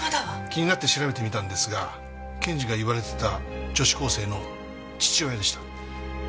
気になって調べてみたんですが検事が言われてた女子高生の父親でした。